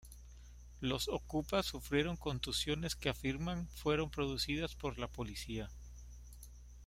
Los "okupas" sufrieron contusiones que afirman fueron producidas por la policía.